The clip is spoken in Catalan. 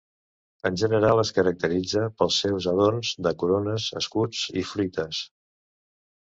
En general, es caracteritza pels seus adorns de corones, escuts i fruites.